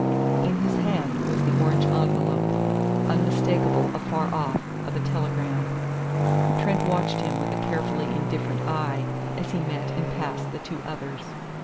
In his hand was the orange envelope, unmistakable afar off, of a telegram. Trent watched him with a carefully indifferent eye as he met and passed the two others.